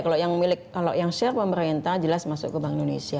kalau yang share pemerintah jelas masuk ke bank indonesia